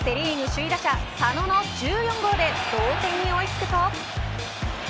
首位打者佐野の１４号で同点に追い付くと。